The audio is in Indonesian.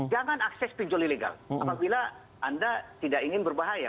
jangan akses pinjol ilegal apabila anda tidak ingin berbahaya